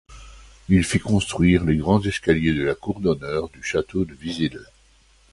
Il fit construire les grands escaliers de la cour d'honneur du château de Vizille.